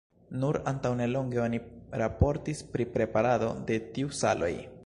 Nur antaŭnelonge oni raportis pri preparado de tiu saloj.